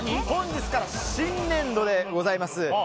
本日から新年度でございます。